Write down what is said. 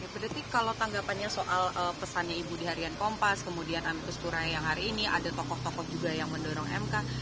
berarti kalau tanggapannya soal pesannya ibu di harian kompas kemudian ami kustur yang hari ini ada tokoh tokoh juga yang mendorong mk